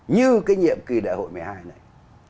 như cái nhiệm kỳ đại hội một mươi hai này